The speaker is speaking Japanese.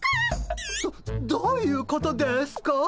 どどういうことですか？